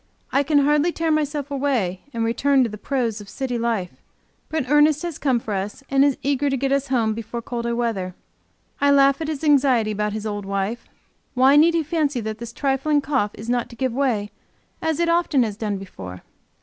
I can hardly tear myself away, and return to the prose of city life. But Ernest has come for us, and is eager to get us home before colder weather. I laugh at his anxiety about his old wife. Why need he fancy that this trifling cough is not to give way as it often has done before?